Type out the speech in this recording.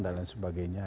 dan lain sebagainya